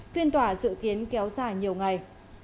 tuyên tỏa dự kiến kéo dài nhiều ngày